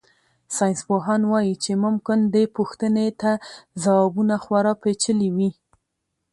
ساینسپوهان وایي چې ممکن دې پوښتنې ته ځوابونه خورا پېچلي وي.